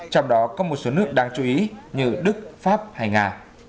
trong đó có một số nước đáng chú ý như đức pháp hay nga